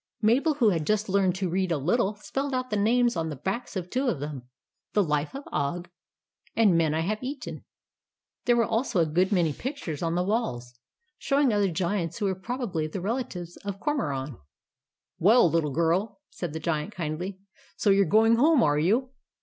Mabel, who had just learned to read a little, spelled out the names on the backs of two of them : The Life of Og, and Men I have Eaten. There were also a good many pictures on the walls, showing other Giants who were prob ably the relatives of Cormoran. "WELL, LITTLE GIRL," said the Giant kindly, " SO YOU'RE GOING HOME ARE YOU?